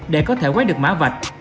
để có thể quét được má vạch